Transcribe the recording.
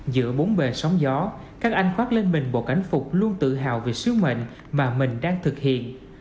giữa bốn bề sóng gió các anh khoát lên mình bộ cảnh phục luôn tự hào về sứ mệnh mà mình đang thực hiện